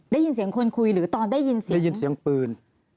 ได้ยินเสียงคนคุยหรือตอนได้ยินเสียงได้ยินเสียงปืน